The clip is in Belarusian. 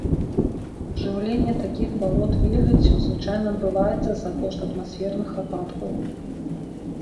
Жыўленне такіх балот вільгаццю звычайна адбываецца за кошт атмасферных ападкаў.